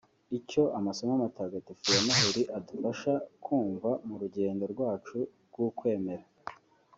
Icyo amasomo matagatifu ya Noheli adufasha kumva mu rugendo rwacu rw’ukwemera